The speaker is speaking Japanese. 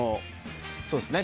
そうですね。